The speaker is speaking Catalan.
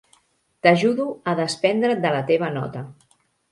T'ajudo a desprendre't de la teva nota.